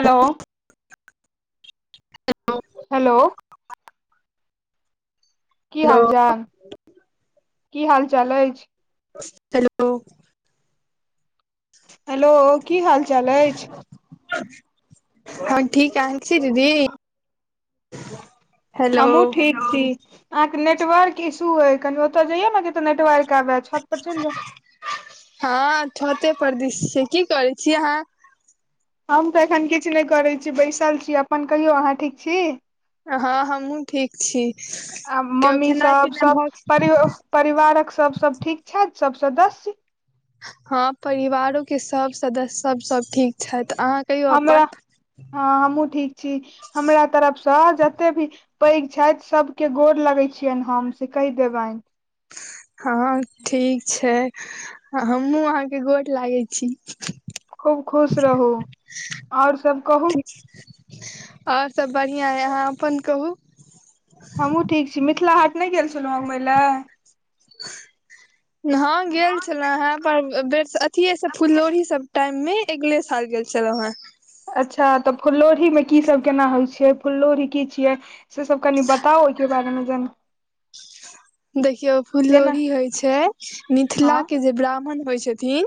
Hello. Hello. Hello. की हाल hello चाल की हाल चाल अछि। हेलो। हेलो की हाल चाल अछि। हँ ठीकआ अनछी दीदी। हेलो हमु ठीक छी अहाँके नेटवर्क इशू अई कनि ओत जइयौ न जैतय नेटवर्क क बै छत पर चैल जाउ। हँ छते परदिश छियै कि करै छी अहाँ। हम तऽ एखन किछु नै करै छीयै बैसल छी अपन कहियौ अहाँ ठीक छी। हँ हम हुँ ठीक छी आ केओ मम्मी खेनाइ सब पिनाइ सब भऽ परि गेल। परिवारक सब सब ठीक छैथ सब सदस्य। हँ परिवारो के सब सदस्य सब सब ठीक छथि अहाँ कहियौ हमरा अपन हँ हमहू ठीक छी हमरा तरफसँ जतेक भी पैघ छैथ सबके गोर लगै छियेनि हम से कहि देबैन। हँ ठीक छै हमहु अहाँके गोर लागै छी। खूब खुश रहू आओर सब कहू। आओर सब बढ़िआं अय अहाँ अपन कहू हमहू ठीक छी मिथिला हाट नै गेल छलौं हँ घुमै लए हँं गेल छलौ हें पर बेर अथी स फुलोही सब टाइम मे अगले साल गेल छलौ हेँ अच्छा तऽ फुल्लौढ़ी मे की सब केना होइ छियै फुल्लोढ़ी की छियै। से सब कनि बताउ ओईके बारेमे जन देखियौ जेना फुललोढ़ी होइ छैय हँ मिथिलाके जे ब्राह्मण होइ छथिन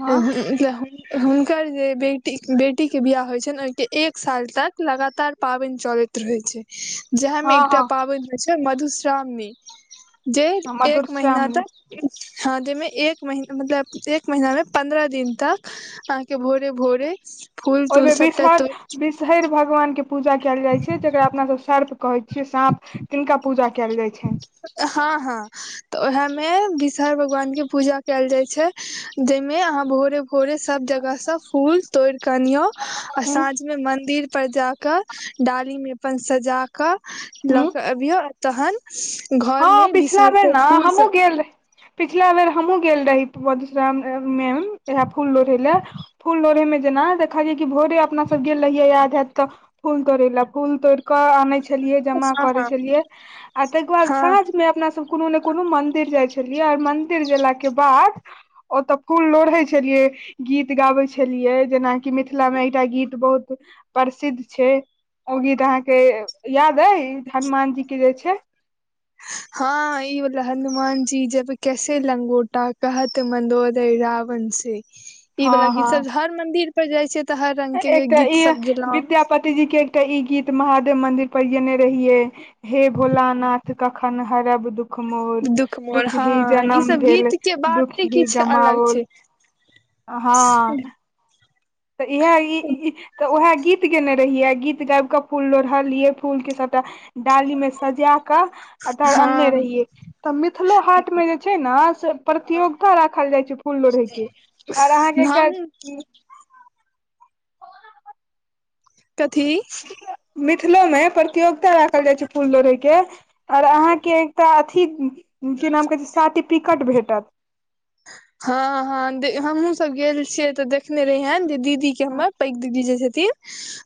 हँ [unintelligible] हुनकर जे बेटी बेटी के बियाह होय छनि ओहिके एक साल तक लगातार पाबनि चलैत रहइत छैय जएहमे हँ एकटा हँ पाबनि होइ छैय मधुश्रावणी। जे हँ एक महीना मधुश्रावणी तक हँ जाहिमे एक महीना मतलब एक महिना मे पन्द्रह दिन तक अहांके भोरे भोरे फूल तूल सबटा तोड़ छहैर भगवानके पूजा कयल जाय छैय जेकरा अपना सब सर्प कहय साँप तिनका पूजा कयल जाइ छनि। हँ हँ तऽ ओएहमे विषहर भगवानके पूजा कयल जाइत छैय जाहिमे अहाँ भोरे भोड़े सभ जगहसँ फूल तोड़ि कऽ अनियौ आ हूँ साँझमे मन्दिर पर जाकऽ डालीमे अपन सजाकऽ लऽ हूँ के अबियौ आ तहन हँ घरमे पिछला बेर बिसरक ने फूल सब हमहुँ गेल रही पिछला बेर हमहुँ गेल रहि ब मधुश्रावणी मे इहे फूल लोढ़े ले फूल लोढ़ें जेना खालए कि भोरे अपना सब गेल रहिये याद हयत त फूलोड़े ले फूलोड़िके आने छ छलियै जमा हँ करै हँ छलियै आ तैके बाद हँ सांझमे अपना सब कोनो ने कोनो मंदिर जाइ छलियै और मंदिर गेला के बाद ओतऽ फूल लोढ़ै छलियै। गीत गाबै छलियै जेनाकि मिथिलामे एकटा गीत बहुत प्रसिद्ध छैय। ओ गीत अहाँके याद अय हनुमान जी के जे छैय? हँ ई बला हनुमान जी जब कैसे लंगोटा कहत मन्दोदर रावण से ई हँ वला हँ गीत सब हर मंदिर पर जाइ छिय तऽ हर रंग के गीत सब गेलहु। पतिजीके एकटा ई गीत महादेव मंदिर पर गेने रहियै। हे भोला नाथ कखन हरब दुख दुख मोर मोर दुःख ही हँ ई जनम सब भेल गीत के दुःख बाते ही किछु अलग गमाओल। छै हँ तऽ इएह ई ईह तऽ उएह गीत गयने रहियै गीत गाबि कऽ फूल लोढ़लियै फूलके सभटा डालीमें सजाकऽ तधर अनने हँ रहियै। तऽ मिथिलो हाटमे जे छैय नऽ से प्रतियोगिता राखल जाइत छैय फूल लोढ़ैके। आऔर अहाँके एकटा हम कथी? मिथिलोमे प्रतियोगिता राखल जाइ छैय फूल लोढ़ैके। आऔर अहाँके एकटा अथी कि नाम कहे छैय सर्टिफिकेट भेटत। हँ हँ हमहूँ सब गेल छियै तऽ देखने रहियेन जे दीदी के ह हमर पैघ दीदी जे छथिन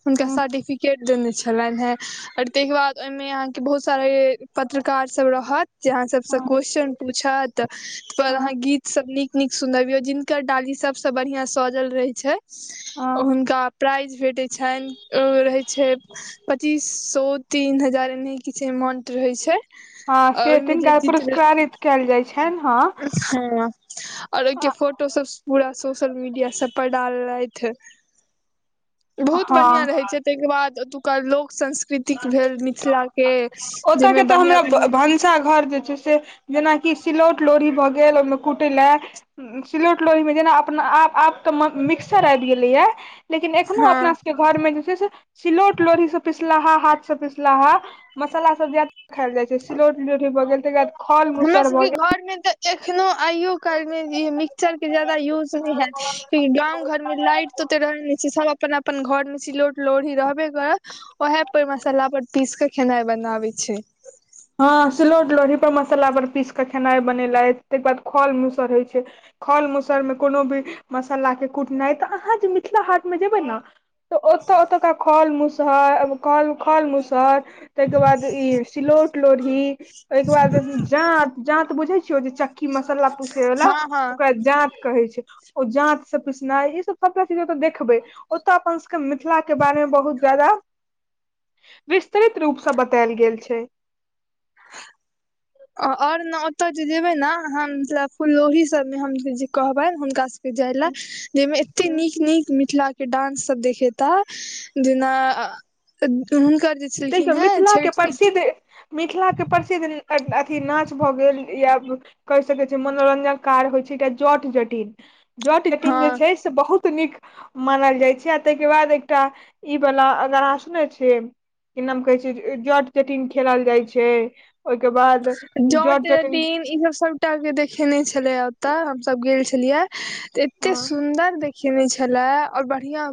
हुनका सर्टिफिकेट देने छलनि हेँ और ताहिके बाद ओहिमे अहाँके बहुत सारा पत्रकार सभ रहत जे अहाँ सबसँ क्वेश्चन पूछत पर ह अहाॅं गीत सब नीक नीक सुनबीयौ जिनकर डाली सबसॅं बढ़िया सजल रहे छैय ह ओ हुनका प्राइज भेटैत छनि ओ रहैत छैय पच्चीस सो तीन हजार एनेह किछु अमाउंट रहै छैय। हँ से तीनका पुरस्कारित कएल जाइ छैय। हँ और ओइके फोटो सब पूरा सोशल मीडिया सब पर डाल लैथ बहुत बढ़िआँ हँ रहै छैय तेंके बाद ओतुका लोक संस्कृति तिक भेल मिथिला के जाइमे तऽ हमरा बढ़िया-बढ़िया [unintelligible] घर के जे छैय से जेनाकि सिलौट लोढ़ी भऽ गेल ओहिमे कुट लऽ सिलोट लोढिमे जेना अपना आप आप मिक्सर आइब गेलैया लेकिन एखनो हँ अपना सबके घर में जे छैय से सिलोट लोढ़ी से पिसलाहा हाथ से पिसलाहा मसाला सब जा खायइल जाइ छैय सीलोट लोढी भगैल तैक बाद खल हमर मूसर भऽ गेल सबके घरमे तऽ एखनो आयो काल में मिक्सचर के जादा यूज न हैत किया गांव घर में लाइट तु त रहे नय छी सब अपन-अपन घर मे सिलोट लोढी रहबे करत ओहे पर मसल्ला पर पीस के खेनाइ बनाबे छैय हँ सिलौट लोढ़ी पर मसल्ला पर पीस के खेनाइ बनेेलैथ तैक बाद खल मूसर होइ छैय खल मूसर मे कोनो भी मसल्ला के कुटनाई तऽ अहाँ जे मिथिला हाट मे जेबै ने तऽ ओतऽ ओतोका खल मूसह खल - खल मूसर तईके बाद ई सिलौट लोढ़ी तइ कऽ बाद जांत जांत बुझे छिय ओजे चक्की मसल्ला पिसै वला हँ हँ ओकरा जांत कहै छैय ओ जांत से पिसनाई ई सब सभटा चीज ओतऽ देखबै ओतऽ अपन सबके मिथिला के बारे मे बहुत ज्यादा विस्तृित रूप से बतेल गेल छैय अओर न ओतय जे जेबै ने हाँम [unintelligible] मितलब फुल लोरही सबमे हम जे कहबेन हुनका जायले जैमे एते नीक नीक मिथिला डान्स सब देखेता जेना हुनकर जे छलखिन देखियौ हेँ मिथिला के छठि प्रसिद्ध मिथिला के प्रसिद्ध अथी नाच भऽ गेल या कहि सकैछी मनोरंजन कार होइ छैय एकटा जट जटिन जट जटिन जे हँ छैय त बहुत नीक मानल जाइ छै आ ताहिके बाद एकटा ई वाला अगर अहां सुनने छियै कि नाम कहै छै जट जटिन खेलाल जाइ छै ओइके बाद जॉट जटिन के ई सब सबटा के देखेने छले ओतए हम सब गेल छलियए त एते हँ सुंदर देख खुएने छलाह ओर बढ़िया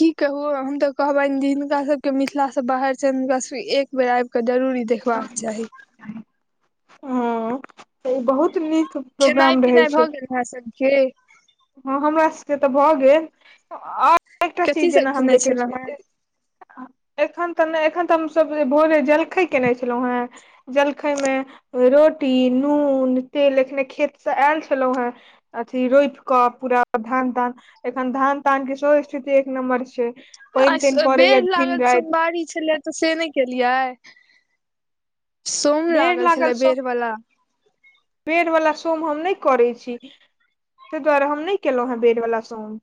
की कहु हम तऽ कहबैन [unintelligible] जे हिनका सब केऊ मिथिला से बाहर छै हुनका सब एक बेर आब के जरूरी ई देखबाक के चाही [inaudible] त ऊ बहुत नीक खेनाइ प्रोग्राम रहै पिनाइ भऽ छै गेल अहाॅं सबके हँ हमरा सभके तऽ भऽ गेल आओर एकटा कथी चीज सब जेना हम खेने देखै छलहुँ हेँ छियै एखन तऽ नय एखन तऽ हमसभ भोरे जलखै केने छलो हँ जलखै मे रोट टी नून तेल अखने खेत से आयल छलौं हँ अथी रोइप क पूरा धान तान एखन धान तान के सेहो स्थिति एक नम्बर छै पानि तानि आइ पड़ैया बैड़ दिन लागल राति सोमवारी छलै तऽ से नय केलियै सोम बेड़ लागल छलै सोम बेर वाला [inaudible] बेड़ वला सोम हम नइ करै छी तइ दुआरे हम नइ केलोंह बेड़ वला सोम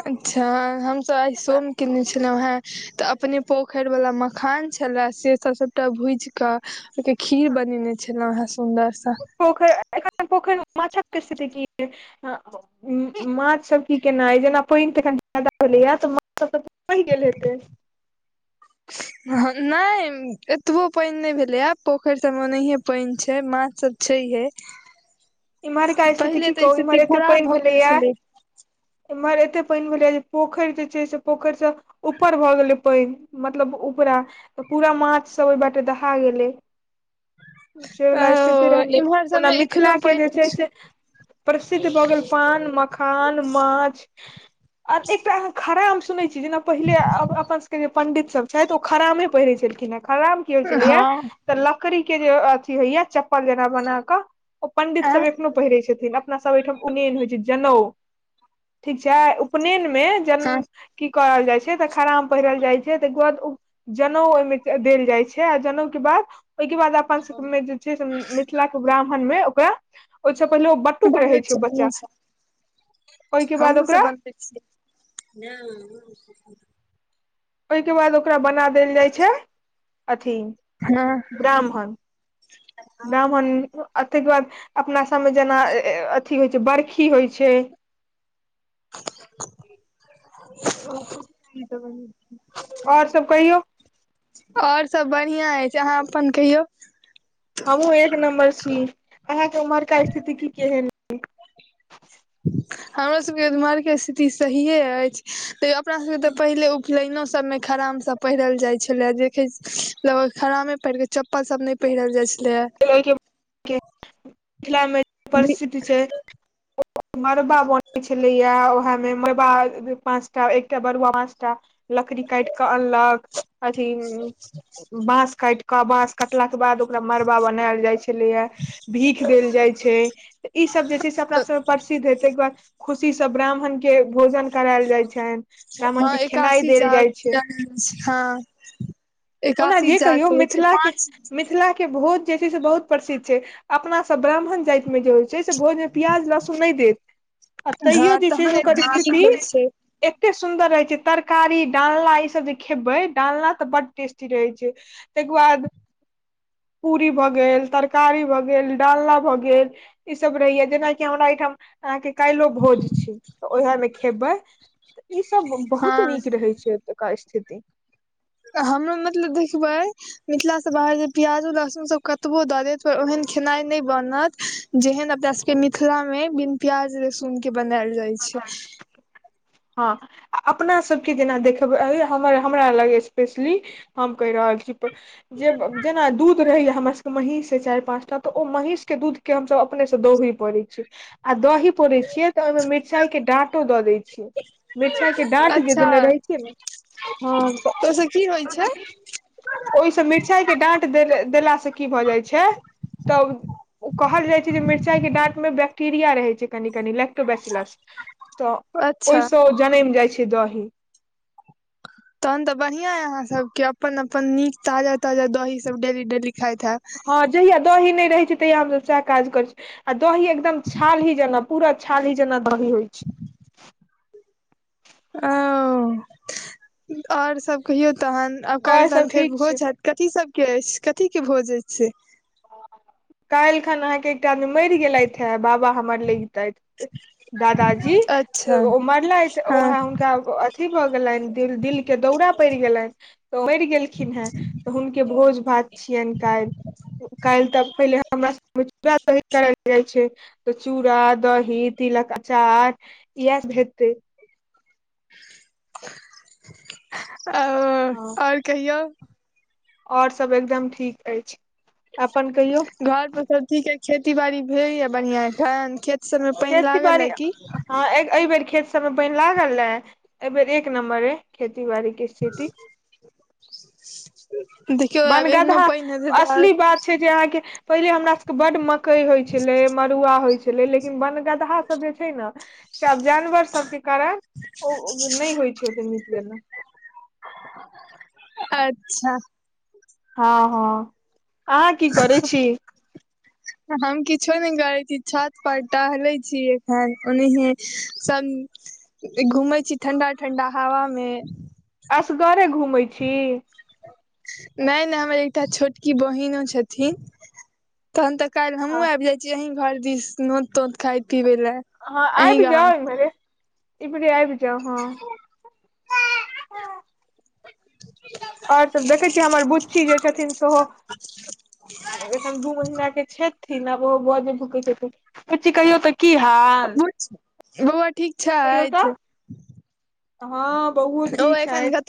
अच्छा हमसभ आइ सोम केने छलौं हें तऽ अपने पोख खैर वला मखान छला से सब सबटा भुइज क ओइके खीर बनेने छ छैलो हँ सुन्दर सँ पोखरि अखन पोखरि मे माछक स्थिति की छ माछ सब की केना ये, जेना पानि तऽ [unintelligible] हेतय। नहि एतबो पानि नहि भेलैया आब पोखरि सभमे ओनाहिए पानि छैय माछसभ छहिये। इम्हरका स्थिति की कहू इम्हर एते पानि भऽ गेल भेलैया छलै एम्हर एते पानि भेलै जे पोखरि जे छैय से पोखरि से ऊपर भऽ गेलै पानि मतलब उपरा तऽ पूरा माछ सब ओहि बाटे दहा गेलै सेवला स्थिति ओ रहलै इम्हर ओना सबमे एखनो मिथिला के जे छैय पानि से प्रसिद्ध भऽ गेल पान मखान माछ आ एकटा अहाँ खड़ेम सुने छी जेना पहिले अपन सब के जे पंडित सब छथि ओ खरामे पहिरै छलखिन हेँ खराम की होय छलयै हँ तऽ लकड़ीके जे अथी होइया चप्पल जेना बना कऽ ओ पण्डित आ सबक एखनो पहिरय छथिन अपना ओहिठाम उपनेन होई छैय जनउ ठीक‌ छैय उपनेन मे जन [unintelligible] की करल जाइ छैय तऽ खराम पहिरल जाइ छैय तऽ गोद ऊ जनउ ओहिमे देल जाइ छैय आ जनउ के बाद ओहिके बाद अपन सबमे जे छैय से मिथिला के ब्राह्मण मे ओकरा ओहिसँ पहिले बटुक रहै बनबै छैय छी बच्चा हमहुँ सब ओहिके बाद हमहुँ ओकरा [unintelligible] ओहिके बाद ओकरा बना देल जाइ छैय अथी हँ ब्राह्मण ब्राह्मण ताहिके बाद अपना सभमे जेना अथी होइ छैय बरखी होइ छैय। [inaudible] आओर सब कहियौ। आओर सब बढ़िआं अछि अहाँ अपन कहियौ। हमहुं एक नम्बर छी अहा के उम्हरका स्थिति की केहेन? हमर सबके इम्हर के स्थिति सहिये अछि तैय अपना सबके तऽ पहिले उखनेनो सबमे खराम सब पहिरल जाइ छलै जे देखै खरामे पहिर कऽ चप्पल सब नहि पहिरल जाइ छ लय मिथिलामे प्रसिद्ध छैय। मड़बा बनैत छलैए उएहमे मड़बा पाँचटा एकटा बरुआ पाँच टा। लकड़ी काट कऽ अनलक अथी बांस काट कऽ बांस काटला के बाद ओकरा मड़बा बनायल जाय छलैया भी भीख देल जाइ छैय त ई सब जे छैय से अपना सबमे प्रसिद्ध हे तहि बाद खुशी ई सब ब्राह्मणके भोजन करायल जाय छनि। ब्राह्मण हँ के खेनाइ एकासी देल जाग जाइ छै हँ। ओना एकासी जे जाग कहियौ होइ छै मिथिला के पाँच मिथिला के भोज जे छैय से बहुत प्रसिद्ध छैय अपना सब ब्राह्मण जाइत मे जे होइ छैय से भोज मे प्याज लहसुन नहि देत आ तैयो हँ जे छैय तहन से ओकर एते नीक स्थिति होइ छै एते सुन्दर रहे छैय तरकारी डालना ई सब जे खेबै डालना तऽ बड टेस्टी रहे छैय। ताहिके बाद पूरी भऽ गेल तरकारी भऽ गेल डालना भऽ गेल ई सब रहैया जेनाकि हमरा एहिठाम अहाँके काल्हि लो भोज छै त ओह मे खेबै त ई सब बहुत हँ नीक रहै छै ऐकस्थिति हमु मतलब देखबै मिथिला स बाहर जे प्याजो लहसुनसब कतबो दऽ देत ओहन खेनाइ नै बनत जेहन अपना सबके मिथिला मे बिन प्याज लहसुन के बनाएल जाइ छै हँ अपना सबके जेना देखबै हम हमरा लग एस्पेशली हम कहि रहल छी जे जेना दू दूध रहैया हमर सबके महींष अई चारि पाँच टा तऽ ओ महीष के दूध के हमसब अपने स दही पौरय छी आ दही पौरे छियै तऽ ओईमे मि मिरचाइ के डाँटो दऽ देने रहै छियै मिरचाई के डाँट जे अच्छा देने रहै छियै न हँ त ओ‌ईस कि होइ छै ओईसँ मिरचाई के डाँट देलासँ की भऽ जाइ छै त ओ कहल जाइ छै जे मिरचाई के डाँट मे बैक्टेरिया रहै छै कनि कनि लेक्टोबेसिलस तऽ अच्छा ओईसँ जनैम जाइ छै दही तहन तऽ बढ़ियां यै अहाँ सबके अपन अपन नीक ताजा ताजा दही सब डेली डेली खाइत हएब हँ जहिया दही नै रहै छै तहिया हमसब सएह काज करै छी आ दही एकदम छाली जेना पूरा छाली जेना दही होइ छै ओ आओर सब कहियो तहन आब काल्हि आओर तहन सब फेर ठीक छै भोज हएत कथी सबके अछि कथी के भोज छै काल्ह खन अहाँके एकटा आदमी मैर गेलथि हेए बाबा हमर लगितैथ दादाजी अच्छा त ओ मरलथि हँ ओहए हुनका अथी भऽ गेलनि दिल दिल के दौरा पड़ि गेलनि तऽ मरि गेलखिन हेँ तऽ हुनके भोज भात छियनि काल्ह काल्हि तऽ पहिले हमरा सबूड़ करल जाइ छै [unintelligible] तऽ चूड़ा दही तिलक अचार इएह भेतै आ ओ हँ आओर कहियौ आओर सब एकदम ठीक अछि अपन कहियौ घर पर सब ठीक यै खेती बाड़ी भेल यै बढ़िया ठन खे खेती बारी हँ ऐ एहि बेर खेत सबमे पनि लागलए एहि बेर एक नम्बर अई खेती बाड़ी के ईस्थिति [inaudible] देखियौ आब एहनो वनगदहा पानि हेतै तऽ आओर असली बात छै जे अहाँके पहिले हमरा सबके बड्ड मकई होइ छलै मड़ुआ होइ छलै लेकिन वनगदहा सब जे छै न से जानवर सबके कारण ओ नै होइ छै ओते नीक जेकां अच्छा हँ हँ आहां कि करै छी [inaudible] हम किछो नै करै छी छत पर टहलै छी एखन ओनाहीये सब घूमै छी ठंडा ठंडा हवा मे असगरे घूमै छी नै नै हमर एकटा छोटकी बहिनो छथिन तहन तऽ काल्ह हँ हमु आबि जाइ छी अहीं घर दिस नोत तोत खाय पिबै लए हँ आईब अहीं गाम जाउ इम्हरे इम्हरे आईब जाउ हँ आओर सब देखै छियै हमर बुच्छी जे छथिन सेहो एखन दू महिना के छैथ। बिना बौवा के बाजे भुकै छथि बुची कहियो त। की हाल बौआ ठीक कहियो तऽ छथि हँ बाउओ ओ ठीक छैथ। एखन कतऽ